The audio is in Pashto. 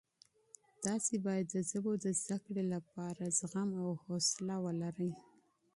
تاسي باید د ژبو د زده کړې لپاره صبر او حوصله ولرئ.